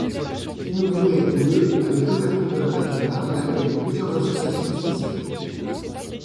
Inauguré le avec l'ouverture de la patinoire, il accueille plusieurs associations spécifiques.